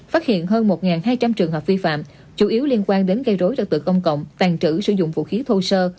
phát hiện hơn một hai trăm linh trường hợp vi phạm chủ yếu liên quan đến gây rối cho tự công cộng tàn trữ sử dụng vũ khí thô sơ